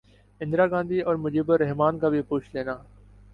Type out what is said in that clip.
اندرا گاندھی اور مجیب الر حمن کا بھی پوچھ لینا